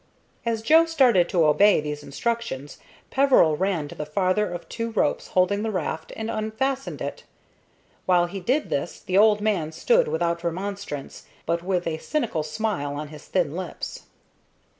As Joe started to obey these instructions, Peveril ran to the farther of two ropes holding the raft and unfastened it. While he did this the old man stood without remonstrance, but with a cynical smile on his thin lips.